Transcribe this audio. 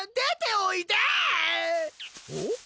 おっ？